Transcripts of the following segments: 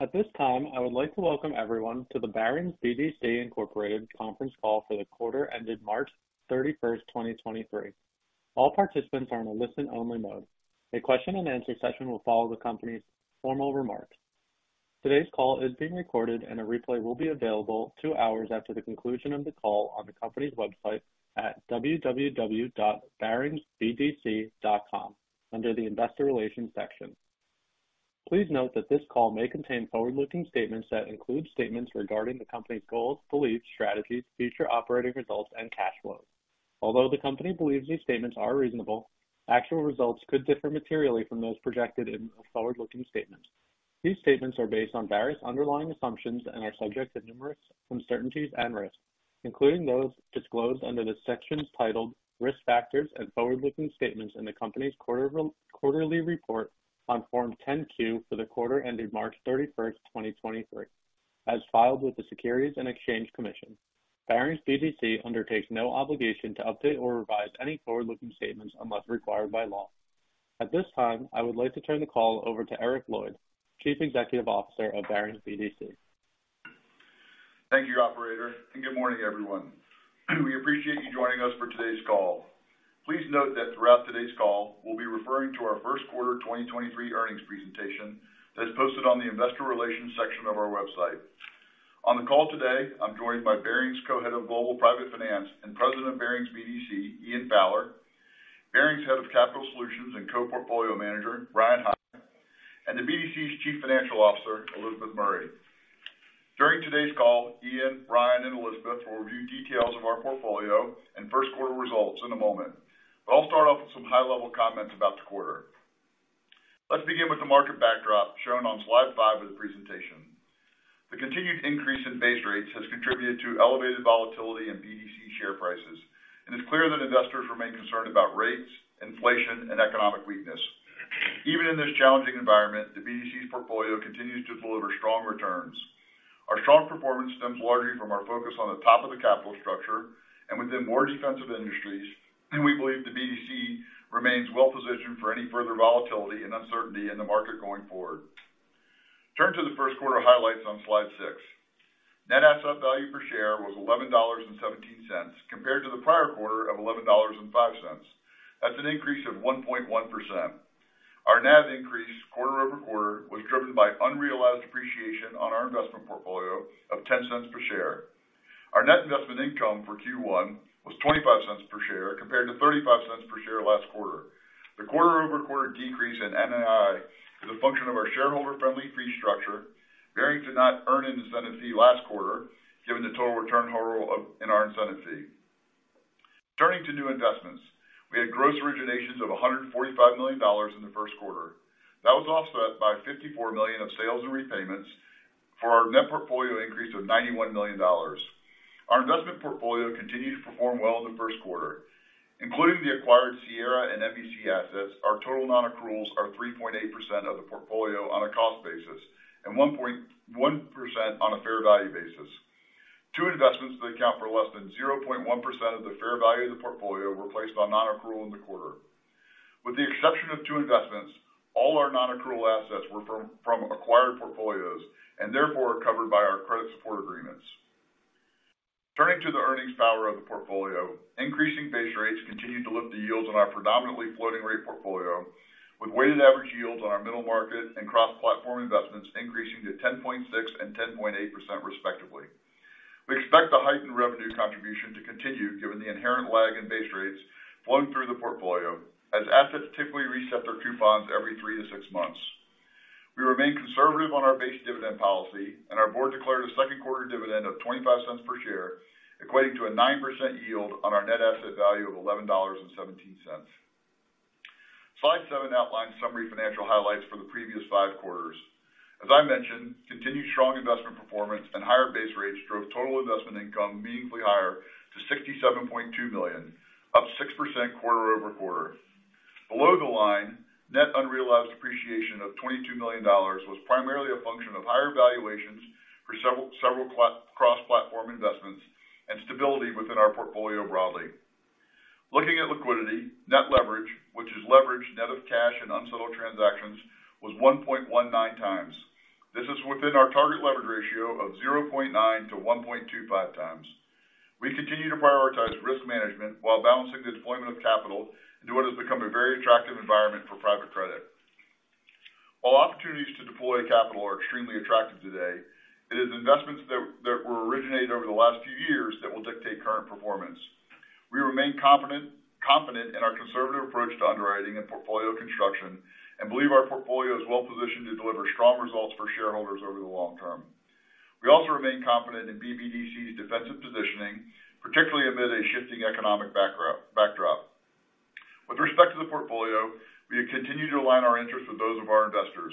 At this time, I would like to welcome everyone to the Barings BDC, Inc. conference call for the quarter ended March 31st, 2023. All participants are in a listen-only mode. A question and answer session will follow the company's formal remarks. Today's call is being recorded and a replay will be available two hours after the conclusion of the call on the company's website at www.baringsbdc.com under the Investor Relations section. Please note that this call may contain forward-looking statements that include statements regarding the company's goals, beliefs, strategies, future operating results and cash flow. Although the company believes these statements are reasonable, actual results could differ materially from those projected in the forward-looking statements. These statements are based on various underlying assumptions and are subject to numerous uncertainties and risks, including those disclosed under the sections titled Risk Factors and Forward-Looking Statements in the company's quarterly report on Form 10-Q for the quarter ended March 31st, 2023, as filed with the Securities and Exchange Commission. Barings BDC undertakes no obligation to update or revise any forward-looking statements unless required by law. At this time, I would like to turn the call over to Eric Lloyd, Chief Executive Officer of Barings BDC. Thank you, Operator. Good morning, everyone. We appreciate you joining us for today's call. Please note that throughout today's call, we'll be referring to our first quarter 2023 earnings presentation that's posted on the Investor Relations section of our website. On the call today, I'm joined by Barings Co-Head of Global Private Finance and President of Barings BDC, Ian Fowler, Barings Head of Capital Solutions and Co-Portfolio Manager, Bryan High, and the BDC's Chief Financial Officer, Elizabeth Murray. During today's call, Ian, Bryan, and Elizabeth will review details of our portfolio and first quarter results in a moment. I'll start off with some high-level comments about the quarter. Let's begin with the market backdrop shown on slide 5 of the presentation. The continued increase in base rates has contributed to elevated volatility in BDC share prices, and it's clear that investors remain concerned about rates, inflation, and economic weakness. Even in this challenging environment, the BDC's portfolio continues to deliver strong returns. Our strong performance stems largely from our focus on the top of the capital structure and within more defensive industries, and we believe the BDC remains well-positioned for any further volatility and uncertainty in the market going forward. Turn to the first quarter highlights on slide 6. Net asset value per share was $11.17 compared to the prior quarter of $11.05. That's an increase of 1.1%. Our NAV increase quarter-over-quarter was driven by unrealized appreciation on our investment portfolio of $0.10 per share. Our net investment income for Q1 was $0.25 per share compared to $0.35 per share last quarter. The quarter-over-quarter decrease in NII is a function of our shareholder-friendly fee structure. Barings did not earn an incentive fee last quarter, given the total return hurdle of in our incentive fee. Turning to new investments, we had gross originations of $145 million in the first quarter. That was offset by $54 million of sales and repayments for our net portfolio increase of $91 million. Our investment portfolio continued to perform well in the first quarter, including the acquired Sierra and MVC assets, our total non-accruals are 3.8% of the portfolio on a cost basis and 1.1% on a fair value basis. Two investments that account for less than 0.1% of the fair value of the portfolio were placed on non-accrual in the quarter. With the exception of two investments, all our non-accrual assets were from acquired portfolios and therefore are covered by our credit support agreements. Turning to the earnings power of the portfolio, increasing base rates continued to lift the yields on our predominantly floating rate portfolio, with weighted average yields on our middle market and cross-platform investments increasing to 10.6 and 10.8% respectively. We expect the heightened revenue contribution to continue, given the inherent lag in base rates flowing through the portfolio as assets typically reset their coupons every three to six months. We remain conservative on our base dividend policy, and our board declared a second quarter dividend of $0.25 per share, equating to a 9% yield on our net asset value of $11.17. Slide 7 outlines summary financial highlights for the previous 5 quarters. As I mentioned, continued strong investment performance and higher base rates drove total investment income meaningfully higher to $67.2 million, up 6% quarter-over-quarter. Below the line, net unrealized appreciation of $22 million was primarily a function of higher valuations for several cross-platform investments and stability within our portfolio broadly. Looking at liquidity, net leverage, which is leverage net of cash and unsettled transactions, was 1.19 times. This is within our target leverage ratio of 0.9-1.25 times. We continue to prioritize risk management while balancing the deployment of capital into what has become a very attractive environment for private credit. While opportunities to deploy capital are extremely attractive today, it is investments that were originated over the last few years that will dictate current performance. We remain confident in our conservative approach to underwriting and portfolio construction, and believe our portfolio is well positioned to deliver strong results for shareholders over the long term. We also remain confident in BBDC's defensive positioning, particularly amid a shifting economic backdrop. With respect to the portfolio, we continue to align our interests with those of our investors.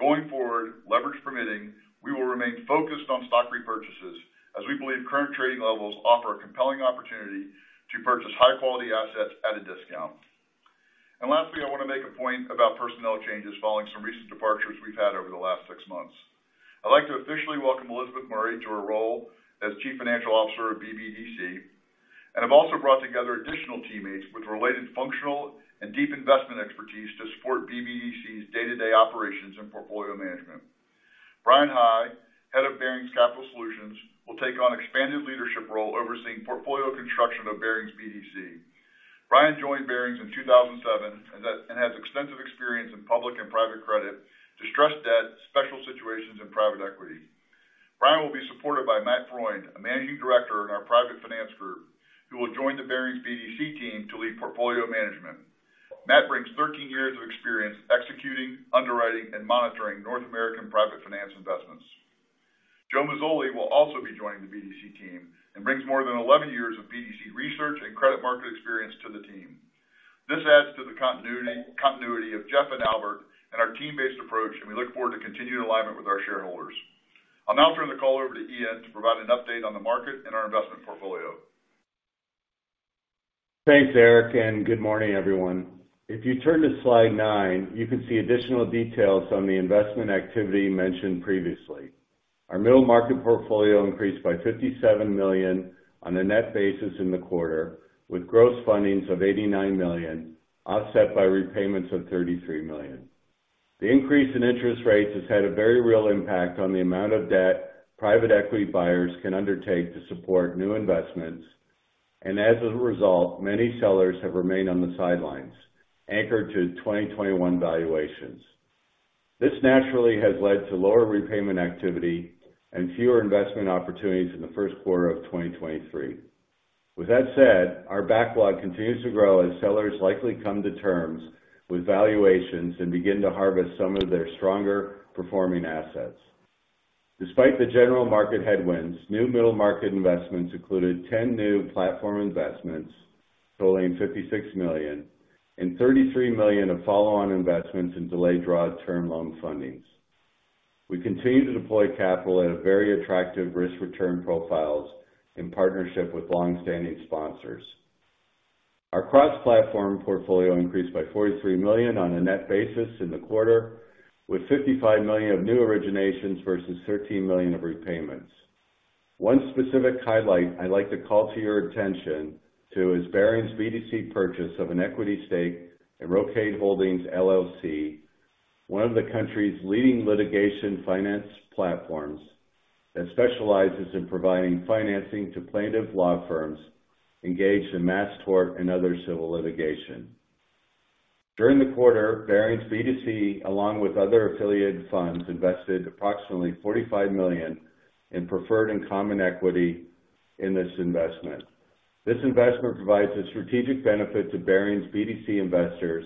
Going forward, leverage permitting, we will remain focused on stock repurchases as we believe current trading levels offer a compelling opportunity to purchase high-quality assets at a discount. Lastly, I want to make a point about personnel changes following some recent departures we've had over the last six months. I'd like to officially welcome Elizabeth Murray to her role as chief financial officer of BBDC. I've also brought together additional teammates with related functional and deep investment expertise to support BBDC's day-to-day operations and portfolio management. Bryan High, Head of Barings Capital Solutions, will take on expanded leadership role overseeing portfolio construction of Barings BDC. Bryan joined Barings in 2007 and has extensive experience in public and private credit, distressed debt, special situations, and private equity. Bryan will be supported by Matt Freund, a managing director in our private finance group, who will join the Barings BDC team to lead portfolio management. Matt brings 13 years of experience executing, underwriting, and monitoring North American private finance investments. Joe Mazzoli will also be joining the BDC team ad brings more than 11 years of BDC research and credit market experience to the team. This adds to the continuity of Jeff and Albert and our team-based approach. We look forward to continued alignment with our shareholders. I'll now turn the call over to Ian to provide an update on the market and our investment portfolio. Thanks, Eric, and good morning, everyone. If you turn to slide 9, you can see additional details on the investment activity mentioned previously. Our middle market portfolio increased by $57 million on a net basis in the quarter, with gross fundings of $89 million, offset by repayments of $33 million. The increase in interest rates has had a very real impact on the amount of debt private equity buyers can undertake to support new investments. As a result, many sellers have remained on the sidelines, anchored to 2021 valuations. This naturally has led to lower repayment activity and fewer investment opportunities in the first quarter of 2023. With that said, our backlog continues to grow as sellers likely come to terms with valuations and begin to harvest some of their stronger performing assets. Despite the general market headwinds, new middle market investments included 10 new platform investments totaling $56 million and $33 million of follow-on investments in delayed draw term loan fundings. We continue to deploy capital at a very attractive risk-return profiles in partnership with long-standing sponsors. Our cross-platform portfolio increased by $43 million on a net basis in the quarter, with $55 million of new originations versus $13 million of repayments. One specific highlight I'd like to call to your attention to is Barings BDC purchase of an equity stake in Rocade Holdings LLC, one of the country's leading litigation finance platforms that specializes in providing financing to plaintiff law firms engaged in mass tort and other civil litigation. During the quarter, Barings BDC, along with other affiliated funds, invested approximately $45 million in preferred and common equity in this investment. This investment provides a strategic benefit to Barings BDC investors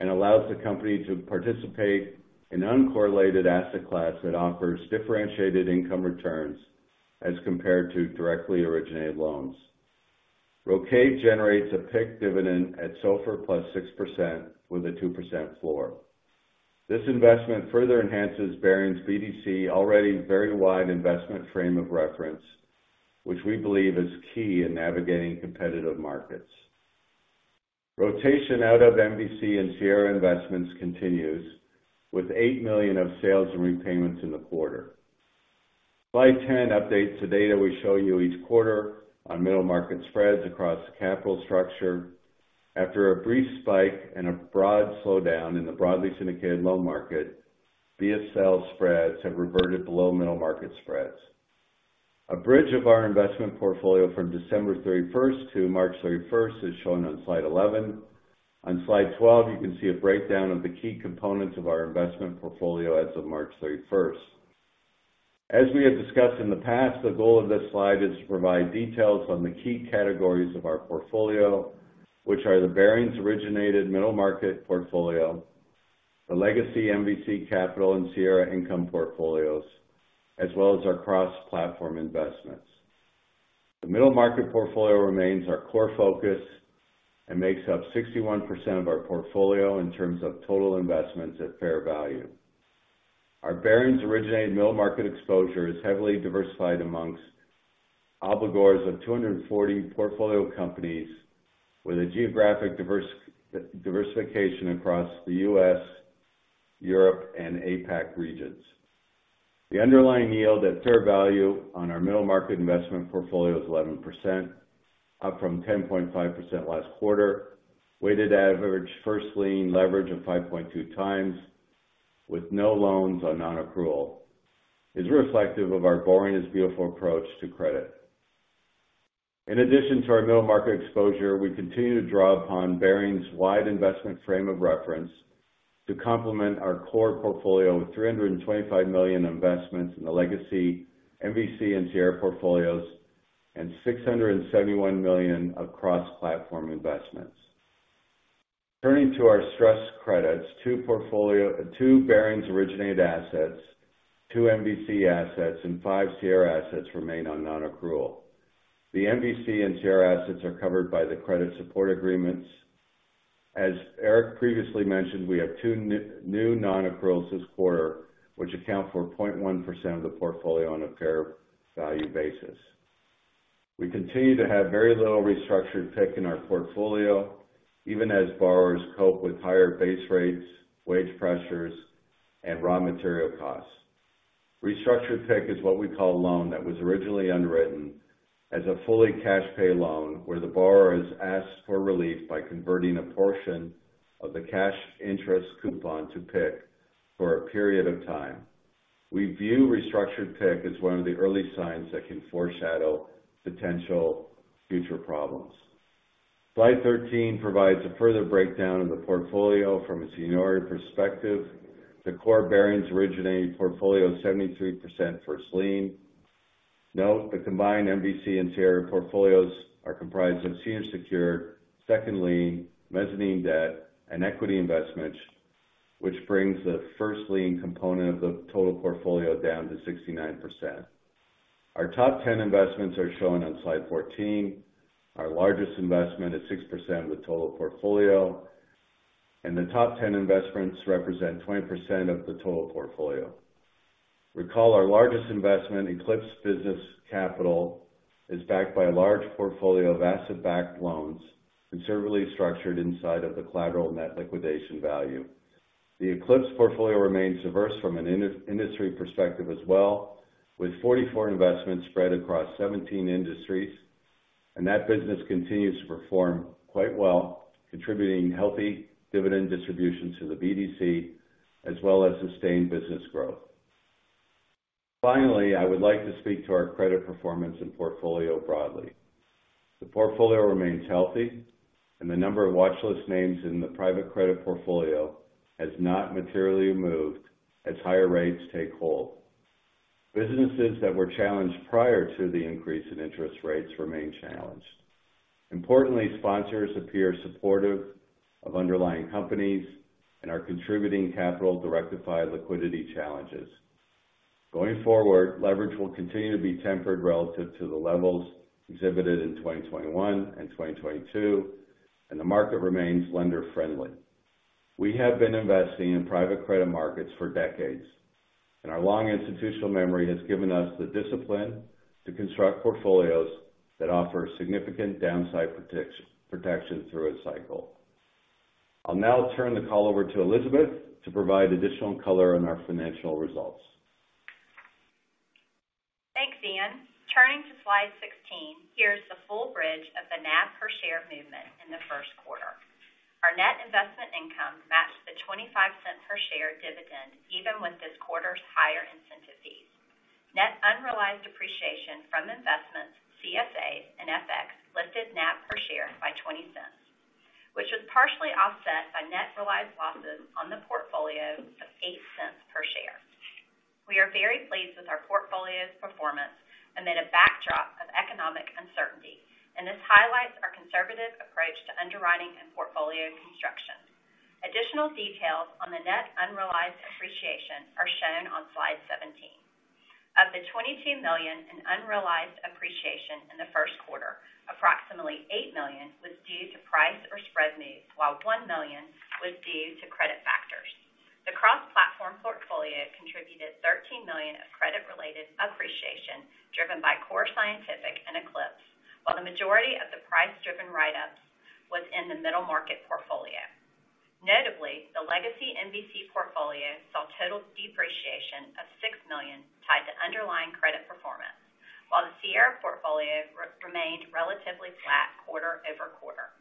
and allows the company to participate in uncorrelated asset class that offers differentiated income returns as compared to directly originated loans. Rocade generates a PIK dividend at SOFR plus 6% with a 2% floor. This investment further enhances Barings BDC already very wide investment frame of reference, which we believe is key in navigating competitive markets. Rotation out of MVC and Sierra Investments continues with $8 million of sales and repayments in the quarter. Slide 10 updates the data we show you each quarter on middle market spreads across the capital structure. After a brief spike and a broad slowdown in the broadly syndicated loan market, BSL spreads have reverted below middle market spreads. A bridge of our investment portfolio from December 31st to March 31st is shown on slide 11. On slide 12, you can see a breakdown of the key components of our investment portfolio as of March 31st. As we have discussed in the past, the goal of this slide is to provide details on the key categories of our portfolio, which are the Barings originated middle market portfolio, the legacy MVC Capital and Sierra Income portfolios, as well as our cross-platform investments. The middle market portfolio remains our core focus and makes up 61% of our portfolio in terms of total investments at fair value. Our Barings originated middle market exposure is heavily diversified amongst obligors of 240 portfolio companies with a geographic diversification across the U.S., Europe, and APAC regions. The underlying yield at fair value on our middle market investment portfolio is 11%, up from 10.5% last quarter. Weighted average first lien leverage of 5.2 times with no loans on nonaccrual is reflective of our boring is beautiful approach to credit. In addition to our middle market exposure, we continue to draw upon Barings' wide investment frame of reference to complement our core portfolio of $325 million investments in the legacy MVC and Sierra portfolios and $671 million of cross-platform investments. Turning to our stress credits, two Barings-originated assets, two MVC assets, and five Sierra assets remain on nonaccrual. The MVC and Sierra assets are covered by the credit support agreements. As Eric previously mentioned, we have two new nonaccruals this quarter, which account for 0.1% of the portfolio on a fair value basis. We continue to have very little restructured PIK in our portfolio, even as borrowers cope with higher base rates, wage pressures, and raw material costs. Restructured PIK is what we call a loan that was originally underwritten as a fully cash pay loan where the borrower has asked for relief by converting a portion of the cash interest coupon to PIK for a period of time. We view restructured PIK as one of the early signs that can foreshadow potential future problems. Slide 13 provides a further breakdown of the portfolio from a seniority perspective. The core Barings originate portfolio 73% first lien. Note the combined MVC and Sierra portfolios are comprised of senior secured second lien mezzanine debt and equity investments, which brings the first lien component of the total portfolio down to 69%. Our top 10 investments are shown on slide 14. Our largest investment is 6% of the total portfolio. The top 10 investments represent 20% of the total portfolio. Recall our largest investment, Eclipse Business Capital, is backed by a large portfolio of asset-backed loans conservatively structured inside of the collateral net liquidation value. The Eclipse portfolio remains diverse from an industry perspective as well, with 44 investments spread across 17 industries. That business continues to perform quite well, contributing healthy dividend distribution to the BDC as well as sustained business growth. I would like to speak to our credit performance and portfolio broadly. The portfolio remains healthy. The number of watchlist names in the private credit portfolio has not materially moved as higher rates take hold. Businesses that were challenged prior to the increase in interest rates remain challenged. Importantly, sponsors appear supportive of underlying companies and are contributing capital to rectify liquidity challenges. Going forward, leverage will continue to be tempered relative to the levels exhibited in 2021 and 2022. The market remains lender-friendly. We have been investing in private credit markets for decades. Our long institutional memory has given us the discipline to construct portfolios that offer significant downside protection through a cycle. I'll now turn the call over to Elizabeth to provide additional color on our financial results. Thanks, Ian. Turning to slide 16, here's the full bridge of the NAV per share movement in the first quarter. Our net investment income matched the $0.25 per share dividend even with this quarter's higher incentive fees. Net unrealized appreciation from investments, CSAs and FX lifted NAV per share by $0.20, which was partially offset by net realized losses on the portfolio of $0.08 per share. We are very pleased with our portfolio's performance amid a backdrop of economic uncertainty. This highlights our conservative approach to underwriting and portfolio construction. Additional details on the net unrealized appreciation are shown on slide 17. Of the $22 million in unrealized appreciation in the first quarter, approximately $8 million was due to price or spread moves, while $1 million was due to credit factors. The cross-platform portfolio contributed $13 million of credit-related appreciation, driven by Core Scientific and Eclipse, while the majority of the price-driven write-ups was in the middle market portfolio. Notably, the legacy MVC portfolio saw total depreciation of $6 million tied to underlying credit performance, while the Sierra portfolio remained relatively flat quarter-over-quarter.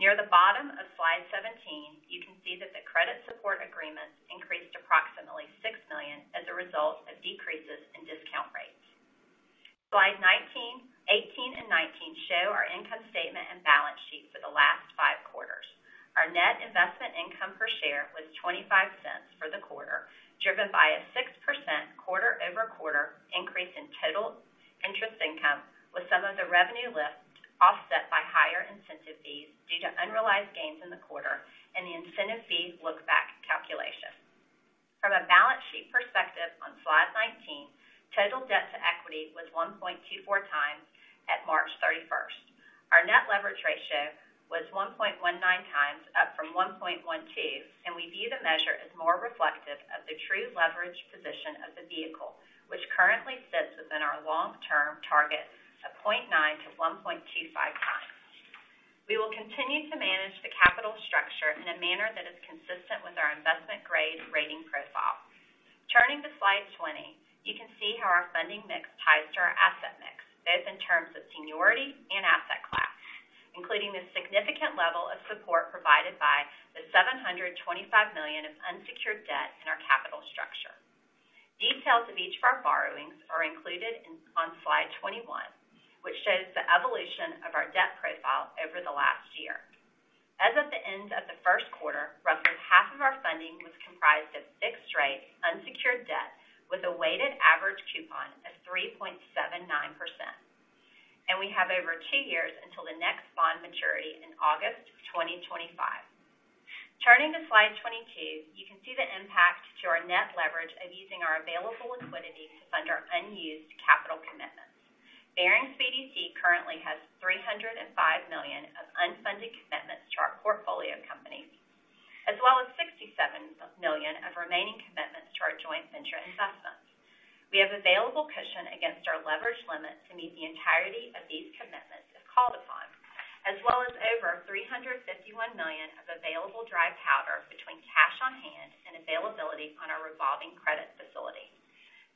Near the bottom of slide 17, you can see that the credit support agreement increased approximately $6 million as a result of decreases in discount rates. Slides 18 and 19 show our income statement and balance sheet for the last five quarters. Our net investment income per share was $0.25 for the quarter, driven by a capital structure. Details of each of our borrowings are included on slide 21, which shows the evolution of our debt profile over the last year. As of the end of the first quarter, roughly half of our funding was comprised of fixed rate unsecured debt with a weighted average coupon of 3.79%. We have over two years until the next bond maturity in August 2025. Turning to slide 22, you can see the impact to our net leverage of using our available liquidity to fund our unused capital commitments. Barings BDC currently has $305 million of unfunded commitments to our portfolio companies, as well as $67 million of remaining commitments to our joint venture investments. We have available cushion against our leverage limit to meet the entirety of these commitments if called upon, as well as over $351 million of available dry powder between cash on hand and availability on our revolving credit facility.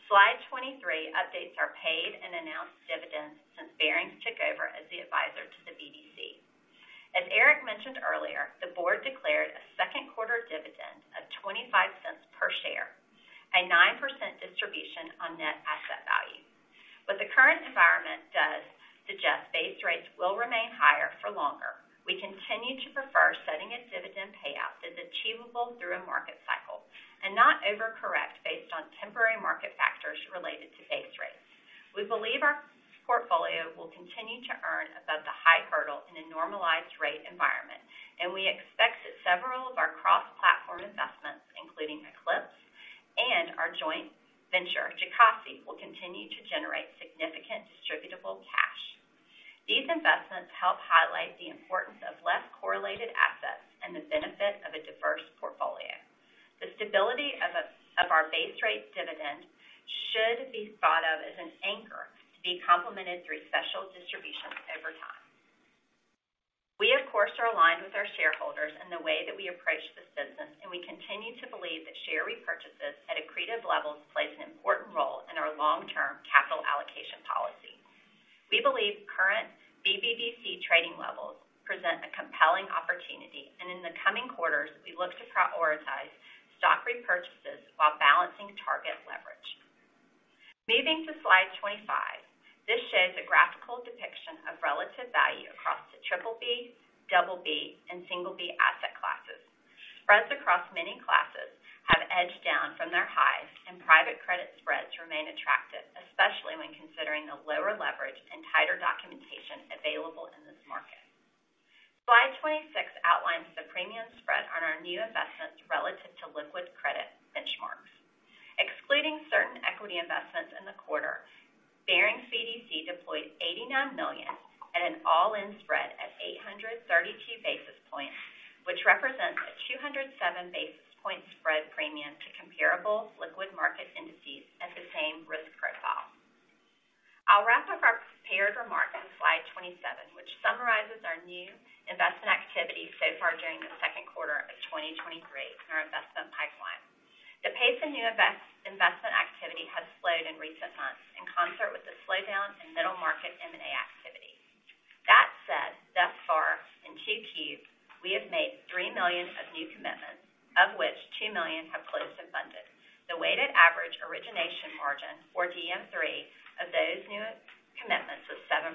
Slide 23 updates our paid and announced dividends since Barings took over as the advisor to the BDC. As Eric mentioned earlier, the board declared a second quarter dividend of $0.25 per share, a 9% distribution on net asset value. What the current environment does suggest base rates will remain higher for longer. We continue to prefer setting a dividend payout that's achievable through a market cycle and not over-correct based on temporary market factors related to base rates. We believe our portfolio will continue to earn above the high hurdle in a normalized rate environment. We expect that several of our cross-platform investments, including Eclipse and our joint venture, Jocassee, will continue to generate significant distributable cash. These investments help highlight the importance of less correlated assets and the benefit of a diverse portfolio. The stability of our base rate dividend should be thought of as an anchor to be complemented through special distributions over time. We, of course, are aligned with our shareholders in the way that we approach this business. We continue to believe that share repurchases at accretive levels play an important role in our long-term capital allocation policy. We believe current BBDC trading levels present a compelling opportunity. In the coming quarters, we look to prioritize stock repurchases while balancing target leverage. Moving to slide 25. This shows a graphical depiction of relative value across the BBB, BB, and B asset classes. Spreads across many classes have edged down from their highs, and private credit spreads remain attractive, especially when considering the lower leverage and tighter documentation available in this market. Slide 26 outlines the premium spread on our new investments relative to liquid credit benchmarks. Excluding certain equity investments in the quarter, Barings BDC deployed $89 million at an all-in spread at 832 basis points, which represents a 207 basis point spread premium to comparable liquid market indices at the same risk profile. I'll wrap up our prepared remarks on slide 27, which summarizes our new investment activity so far during the second quarter of 2023 in our investment pipeline. The pace of new investment activity has slowed in recent months in concert with the slowdown in middle market M&A activity. Thus far in Q2, we have made $3 million of new commitments, of which $2 million have closed and funded. The weighted average origination margin for DM3 of those new commitments was 7%.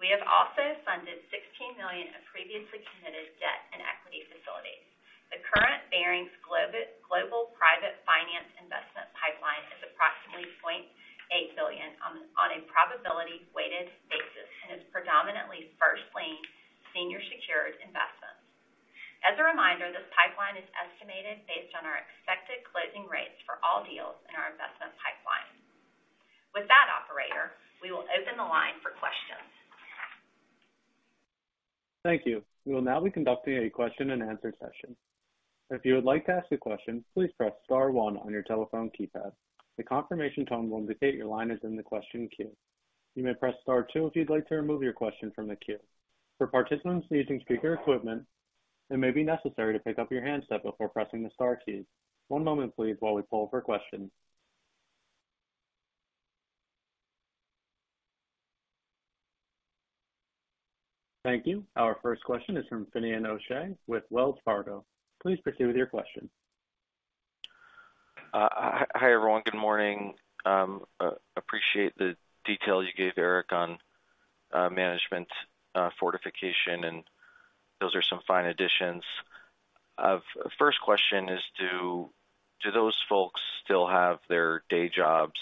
We have also funded $16 million of previously committed debt and equity facilities. The current Barings Global Private Finance investment pipeline is approximately $0.8 billion on a probability weighted basis and is predominantly first lien senior secured investments. This pipeline is estimated based on our expected closing rates for all deals in our investment pipeline. Operator, we will open the line for questions. Thank you. We will now be conducting a question and answer session. If you would like to ask a question, please press star one on your telephone keypad. The confirmation tone will indicate your line is in the question queue. You may press star two if you'd like to remove your question from the queue. For participants using speaker equipment, it may be necessary to pick up your handset before pressing the star key. One moment please while we poll for questions. Thank you. Our first question is from Finian O'Shea with Wells Fargo. Please proceed with your question. Hi, everyone. Good morning. Appreciate the detail you gave, Eric, on management fortification, and those are some fine additions. First question is do those folks still have their day jobs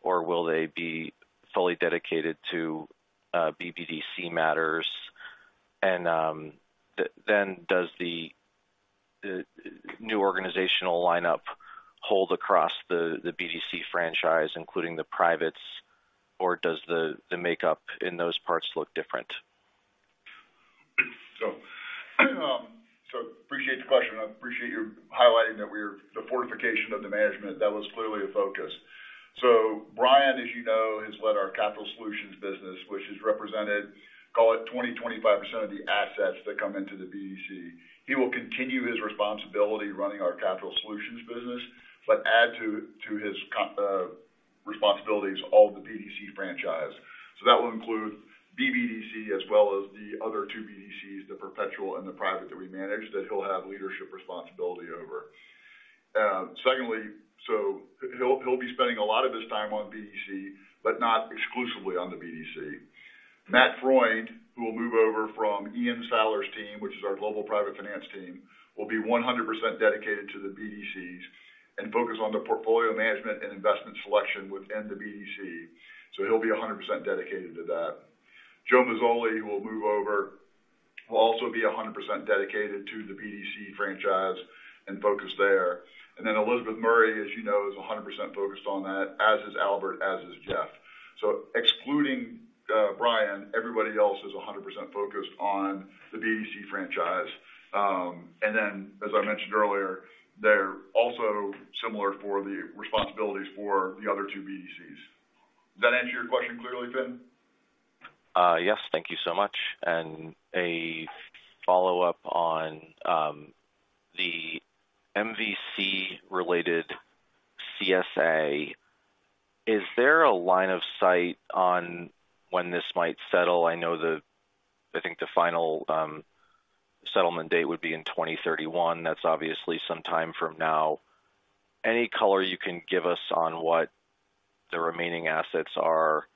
or will they be fully dedicated to BBDC matters? Then does the new organizational lineup hold across the BDC franchise, including the privates, or does the makeup in those parts look different? Appreciate the question. I appreciate your highlighting that the fortification of the management. That was clearly a focus. Brian, as you know, has led our Capital Solutions business, which has represented, call it 20%-25% of the assets that come into the BDC. He will continue his responsibility running our Capital Solutions business, but add his responsibilities all of the BDC franchise. That will include BBDC as well as the other two BDCs, the perpetual and the private that we manage, that he'll have leadership responsibility over. Secondly, he'll be spending a lot of his time on BDC, but not exclusively on the BDC. Matt Freund, who will move over from Ian Fowler team, which is our Global Private Finance team, will be 100% dedicated to the BDCs and focus on the portfolio management and investment selection within the BDC. He'll be 100% dedicated to that. Joe Mazzoli will move over, will also be 100% dedicated to the BDC franchise and focus there. Elizabeth Murray, as you know, is 100% focused on that, as is Albert, as is Jeff. Excluding Bryan, everybody else is 100% focused on the BDC franchise. As I mentioned earlier. They're also similar for the responsibilities for the other 2 BDCs. Does that answer your question clearly, Finn? Yes, thank you so much. A follow-up on the MVC related CSA. Is there a line of sight on when this might settle? I know I think the final settlement date would be in 2031. That's obviously some time from now. Any color you can give us on what the remaining assets are,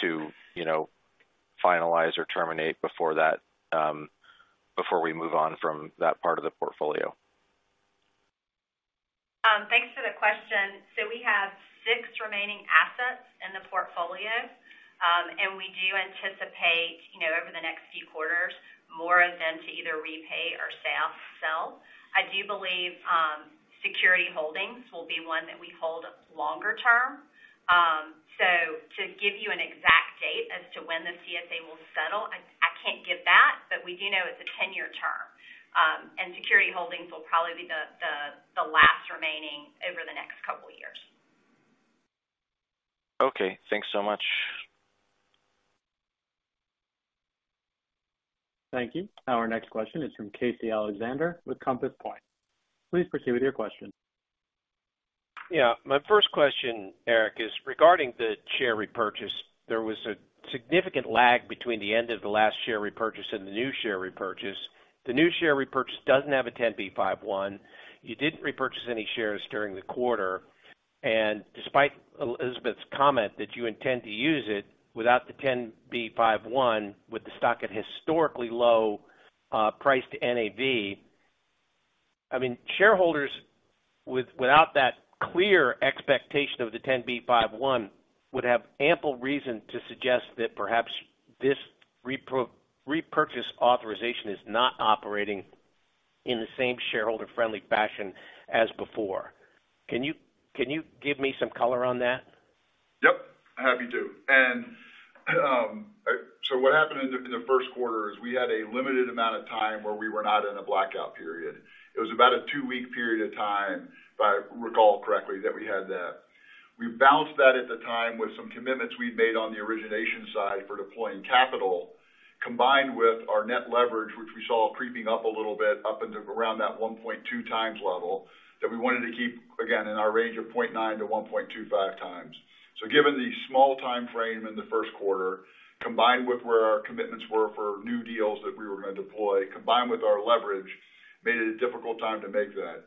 to, you know, finalize or terminate before that, before we move on from that part of the portfolio. Thanks for the question. We have six remaining assets in the portfolio. We do anticipate, you know, over the next few quarters, more of them to either repay or sell. I do believe Security Holdings will be one that we hold longer term. To give you an exact date as to when the CSA will settle, I can't give that, but we do know it's a 10-year term. Security Holdings will probably be the, the last remaining over the next couple of years. Okay. Thanks so much. Thank you. Our next question is from Casey Alexander with Compass Point. Please proceed with your question. My first question, Eric, is regarding the share repurchase. There was a significant lag between the end of the last share repurchase and the new share repurchase. The new share repurchase doesn't have a 10b5-1. You didn't repurchase any shares during the quarter. Despite Elizabeth's comment that you intend to use it without the 10b5-1 with the stock at historically low price to NAV. I mean, shareholders without that clear expectation of the 10b5-1 would have ample reason to suggest that perhaps this repurchase authorization is not operating in the same shareholder-friendly fashion as before. Can you give me some color on that? Yep, happy to. What happened in the, in the first quarter is we had a limited amount of time where we were not in a blackout period. It was about a two-week period of time, if I recall correctly, that we had that. We balanced that at the time with some commitments we'd made on the origination side for deploying capital, combined with our net leverage, which we saw creeping up a little bit up into around that 1.2 times level that we wanted to keep, again, in our range of 0.9-1.25 times. Given the small timeframe in the first quarter, combined with where our commitments were for new deals that we were going to deploy, combined with our leverage, made it a difficult time to make that.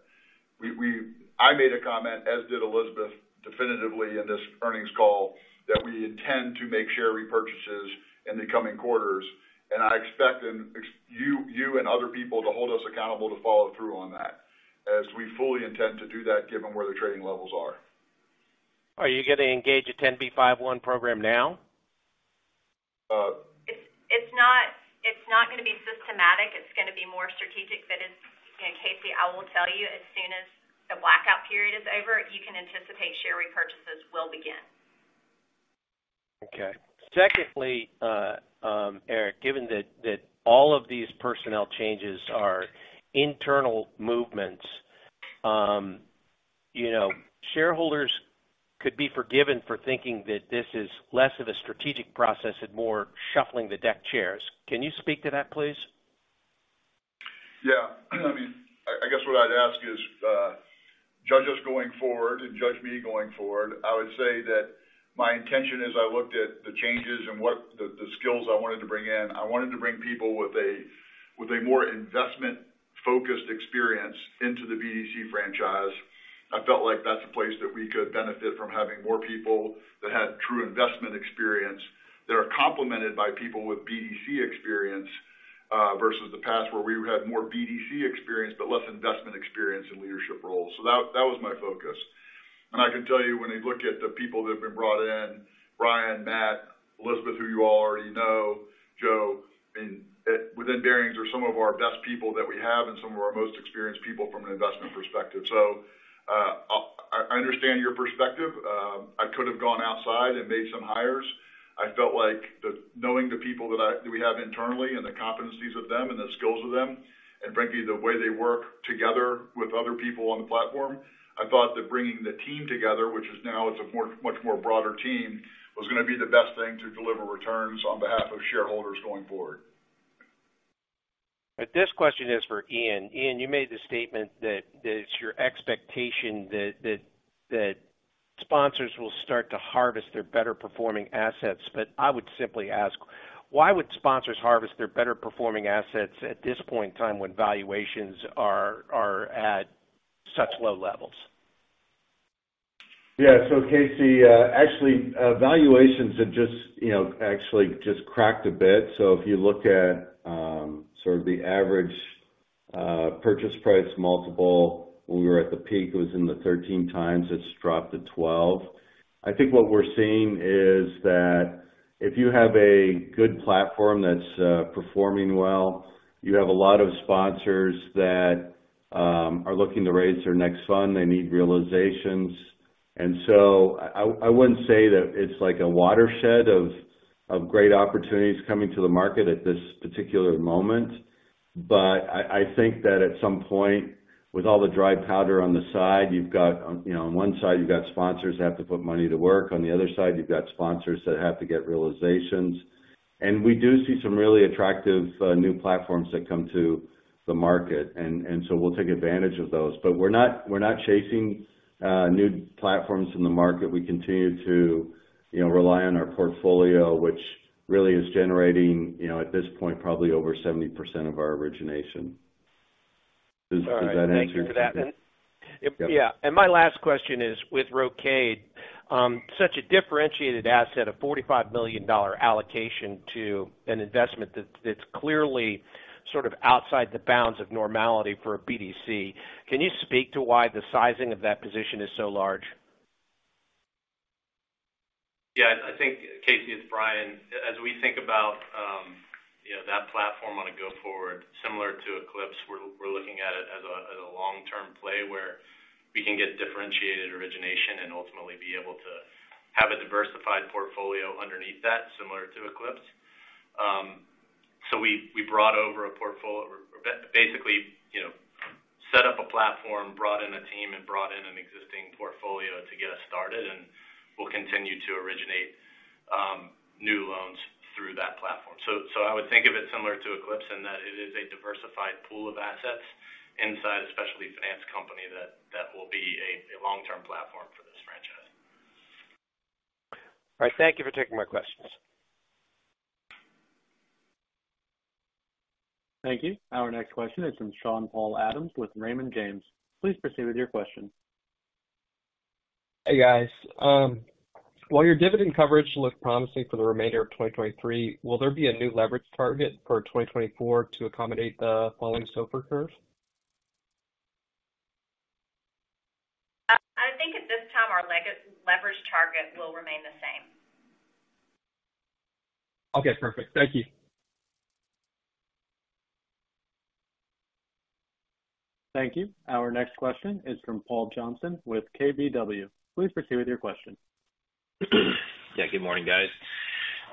I made a comment, as did Elizabeth definitively in this earnings call that we intend to make share repurchases in the coming quarters, and I expect you and other people to hold us accountable to follow through on that as we fully intend to do that given where the trading levels are. Are you going to engage a 10b5-1 program now? Uh- It's, it's not, it's not gonna be systematic. It's gonna be more strategic. Casey, I will tell you as soon as the blackout period is over, you can anticipate share repurchases will begin. Okay. Secondly, Eric, given that all of these personnel changes are internal movements, you know, shareholders could be forgiven for thinking that this is less of a strategic process and more shuffling the deck chairs. Can you speak to that, please? Yeah. I mean, I guess what I'd ask is, judge us going forward and judge me going forward. I would say that my intention as I looked at the changes and what the skills I wanted to bring in, I wanted to bring people with a more investment-focused experience into the BDC franchise. I felt like that's a place that we could benefit from having more people that had true investment experience that are complemented by people with BDC experience, versus the past where we had more BDC experience but less investment experience in leadership roles. That was my focus. I can tell you when you look at the people that have been brought in, Ryan, Matt, Elizabeth, who you all already know, Joe, I mean, within Barings are some of our best people that we have and some of our most experienced people from an investment perspective. I understand your perspective. I could have gone outside and made some hires. I felt like knowing the people that we have internally and the competencies of them and the skills of them, and frankly, the way they work together with other people on the platform, I thought that bringing the team together, which is now it's a more, much more broader team, was gonna be the best thing to deliver returns on behalf of shareholders going forward. This question is for Ian. Ian, you made the statement that it's your expectation that sponsors will start to harvest their better performing assets. I would simply ask, why would sponsors harvest their better performing assets at this point in time when valuations are at such low levels? Casey, actually, valuations have just, you know, actually just cracked a bit. If you look at, sort of the average purchase price multiple when we were at the peak, it was in the 13 times. It's dropped to 12. I think what we're seeing is that if you have a good platform that's performing well, you have a lot of sponsors that are looking to raise their next fund. They need realizations. I wouldn't say that it's like a watershed of great opportunities coming to the market at this particular moment. I think that at some point, with all the dry powder on the side, you've got, you know, on one side you've got sponsors who have to put money to work, on the other side you've got sponsors that have to get realizations. We do see some really attractive new platforms that come to the market. We'll take advantage of those. We're not chasing new platforms in the market. We continue to, you know, rely on our portfolio, which really is generating, you know, at this point, probably over 70% of our origination. Does that answer? All right. Thank you for that. Yep. Yeah. My last question is with Rocade, such a differentiated asset of $45 million allocation to an investment that's clearly sort of outside the bounds of normality for a BDC. Can you speak to why the sizing of that position is so large? Yeah. I think, Casey Alexander, it's Bryan High. As we think about, you know, that platform on a go forward, similar to Eclipse, we're looking at it as a long-term play where we can get differentiated origination and ultimately be able to have a diversified portfolio underneath that, similar to Eclipse. We brought over, you know, set up a platform, brought in a team and brought in an existing portfolio to get us started, and we'll continue to originate new loans through that platform. I would think of it similar to Eclipse in that it is a diversified pool of assets inside a specialty finance company that will be a long-term platform for this franchise. All right. Thank you for taking my questions. Thank you. Our next question is from Sean-Paul Adams with Raymond James. Please proceed with your question. Hey, guys. While your dividend coverage looks promising for the remainder of 2023, will there be a new leverage target for 2024 to accommodate the falling SOFR curve? I think at this time, our leverage target will remain the same. Okay, perfect. Thank you. Thank you. Our next question is from Paul Johnson with KBW. Please proceed with your question. Yeah. Good morning, guys.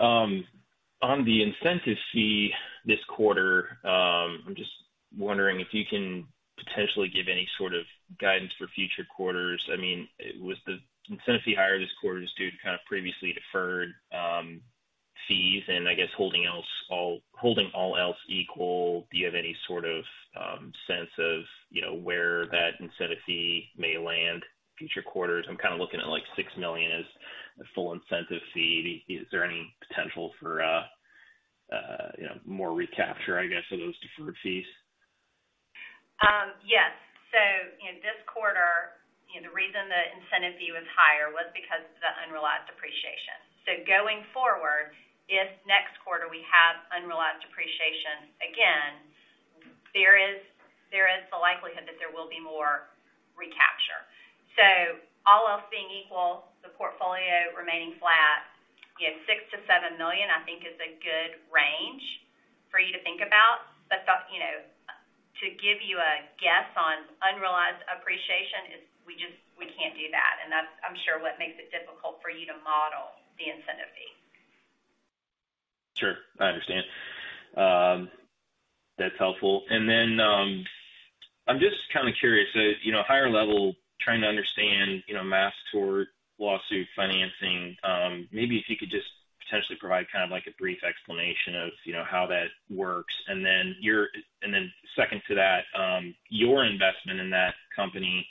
On the incentive fee this quarter, I'm just wondering if you can potentially give any sort of guidance for future quarters. I mean, was the incentive fee higher this quarter due to kind of previously deferred fees? I guess holding all else equal, do you have any sort of sense of, you know, where that incentive fee may land future quarters? I'm kind of looking at, like, $6 million as a full incentive fee. Is there any potential for, you know, more recapture, I guess, of those deferred fees? Yes. You know, this quarter, you know, the reason the incentive fee was higher was because of the unrealized appreciation. Going forward, if next quarter we have unrealized appreciation, again, there is the likelihood that there will be more recapture. All else being equal, the portfolio remaining flat, you know, $6 million-$7 million, I think is a good range for you to think about. You know, to give you a guess on unrealized appreciation is we can't do that. That's, I'm sure, what makes it difficult for you to model the incentive fee. Sure. I understand. That's helpful. I'm just kind of curious, you know, higher level trying to understand, you know, mass tort lawsuit financing. Maybe if you could just potentially provide kind of like a brief explanation of, you know, how that works? Second to that, your investment in that company,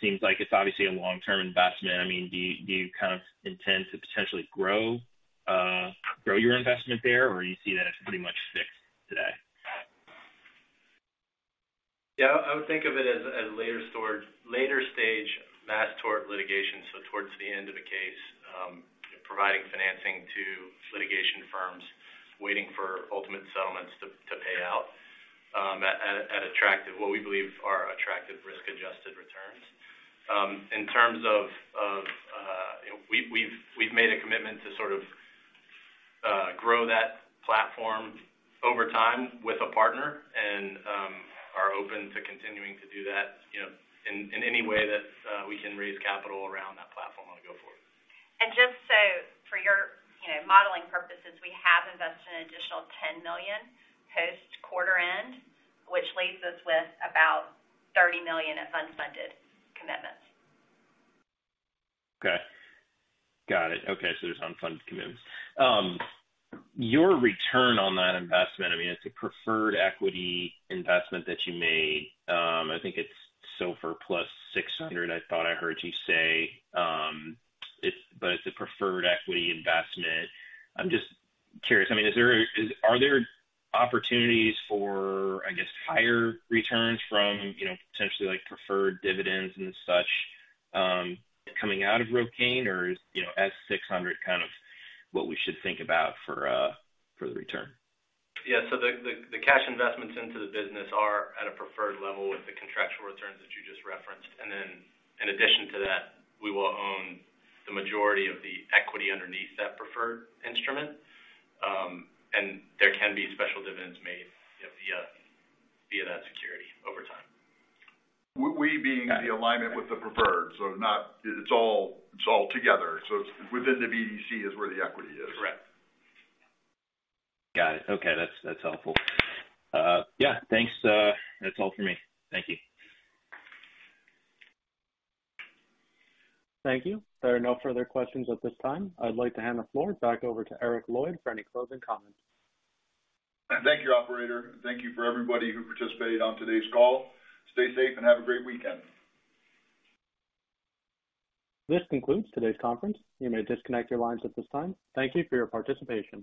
seems like it's obviously a long-term investment. I mean, do you, do you kind of intend to potentially grow your investment there, or you see that it's pretty much fixed today? Yeah. I would think of it as later stage mass tort litigation, so towards the end of the case, providing financing to litigation firms waiting for ultimate settlements to pay out what we believe are attractive risk-adjusted returns. In terms of, we've made a commitment to sort of grow that platform over time with a partner and are open to continuing to do that, you know, in any way that we can raise capital around that platform on a go forward. Just so for your, you know, modeling purposes, we have invested an additional $10 million post-quarter end, which leaves us with about $30 million of unfunded commitments. Okay. Got it. There's unfunded commitments. Your return on that investment, I mean, it's a preferred equity investment that you made. I think it's SOFR plus 600, I thought I heard you say. It's a preferred equity investment. I'm just curious. I mean, Are there opportunities for, I guess, higher returns from, you know, potentially like preferred dividends and such, coming out of Rocade or is, you know, S 600 kind of what we should think about for the return? Yeah. The cash investments into the business are at a preferred level with the contractual returns that you just referenced. In addition to that, we will own the majority of the equity underneath that preferred instrument. There can be special dividends made via that security over time. We being the alignment with the preferred. Not It's all together. Within the BDC is where the equity is. Correct. Got it. Okay, that's helpful. Yeah. Thanks. That's all for me. Thank you. Thank you. There are no further questions at this time. I'd like to hand the floor back over to Eric Lloyd for any closing comments. Thank you, operator. Thank you for everybody who participated on today's call. Stay safe and have a great weekend. This concludes today's conference. You may disconnect your lines at this time. Thank you for your participation.